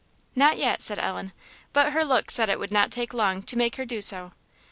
"Not yet," Ellen said; but her look said it would not take long to make her do so.